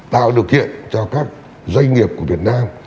tạo điều kiện cho các doanh nghiệp của việt nam